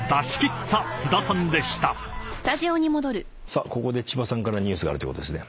さあここで千葉さんからニュースがあるということですね。